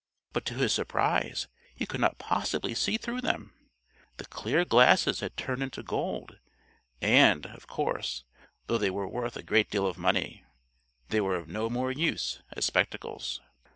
But to his surprise he could not possibly see through them: the clear glasses had turned into gold, and, of course, though they were worth a great deal of money, they were of no more use as spectacles.